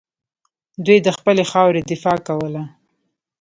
دوی د خپلې خاورې دفاع کوله